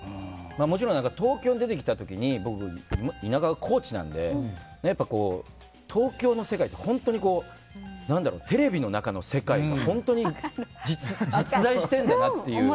もちろん東京に出てきた時に僕、田舎が高知なのでやっぱ東京の世界って本当にテレビの中の世界が本当に実在してるんだなっていう。